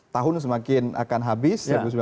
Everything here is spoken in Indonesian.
tahun semakin akan habis dua ribu sembilan belas